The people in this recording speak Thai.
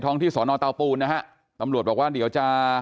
ทั้งที่คุณหมอดูแลน้องดีมาตลอด